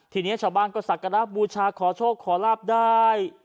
ทีนี้ชาวบ้านก็สักการะบูชาขอโชคขอลาบได้